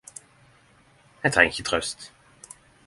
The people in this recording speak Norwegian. Eg treng ikkje trøyst